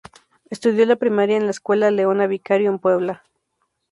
Estudió la primaria en la escuela Leona Vicario, en Puebla.